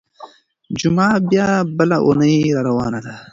جمعه بيا بله اونۍ راروانه ده.